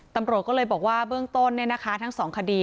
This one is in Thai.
ตำรวจก็เลยบอกว่าเบื้องต้นทั้งสองคดี